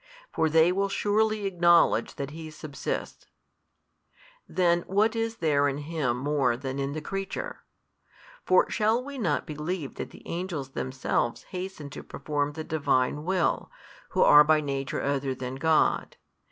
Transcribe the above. For they will surely acknowledge that He subsists. Then what is there in Him more than in the creature? For shall we not believe that the angels themselves hasten to perform the |267 Divine Will, who are by nature other than God?